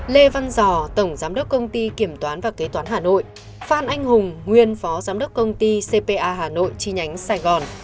lê văn giò tổng giám đốc công ty kiểm toán và kế toán hà nội phan anh hùng nguyên phó giám đốc công ty cpa hà nội chi nhánh sài gòn